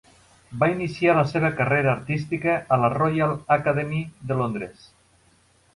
Va iniciar la seva carrera artística a la Royal Academy de Londres.